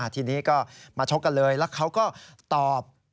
ทีนี้ก็มาชกกันเลยแล้วเขาก็ตอบ